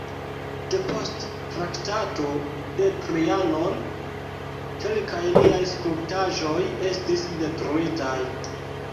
Depost Traktato de Trianon kelkaj liaj skulptaĵoj estis detruitaj.